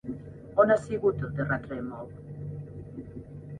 On ha sigut el terratrèmol?